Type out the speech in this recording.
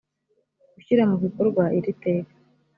gushyira mu bikorwa iri teka